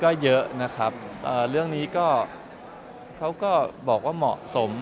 ก็เยอะนะครับเรื่องนี้ก็เขาก็บอกว่าเหมาะสม